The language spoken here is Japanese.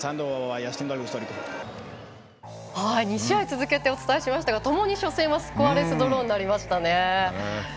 ２試合続けてお伝えしましたがともに初戦はスコアレスドローになりましたね。